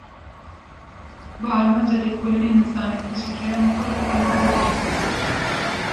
Bi armanca lêkolînên zanistî, ji kerema xwe, vê formê dagirin